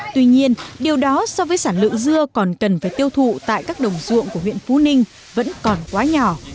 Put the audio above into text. tuy nhiên điều đó so với sản lượng dưa còn cần phải tiêu thụ tại các đồng ruộng của huyện phú ninh vẫn còn quá nhỏ